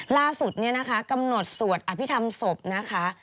ล่าสุดเนี่ยนะคะกำหนดสวดอภิษฐรรมศพนะคะ